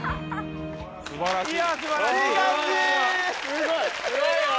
すごいよ！